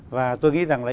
và tôi nghĩ rằng là